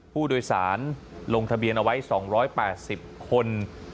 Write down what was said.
ผู้โดยสารลงทะเบียนเอาไว้สองร้อยห้าสิบคน